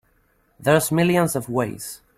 There's millions of ways.